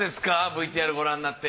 ＶＴＲご覧になって。